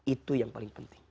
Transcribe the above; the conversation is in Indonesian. itu yang paling penting